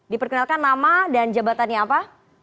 diperkenalkan nama dan jabatannya apa